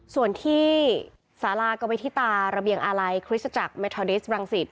ส่วนที่สารากวิทิตาระเบียงอาลัยคริสตจักรเมทอดิสบรังสิต